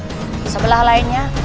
di sebelah lainnya